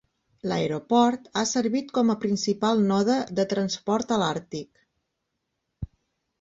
L'aeroport ha servit com a principal node de transport a l'Àrtic.